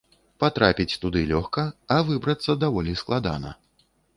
Патрапіць туды лёгка, а выбрацца даволі складана.